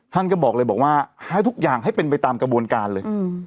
ท่านก็บอกเลยบอกว่าให้ทุกอย่างให้เป็นไปตามกระบวนการเลย